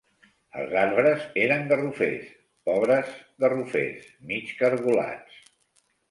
Els arbres eren garrofers. pobres garrofers, mig cargolats